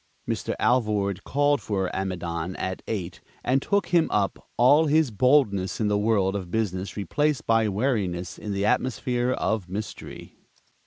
Mr. Alvord called for Amidon at eight, and took him up, all his boldness in the world of business replaced by wariness in the atmosphere of mystery.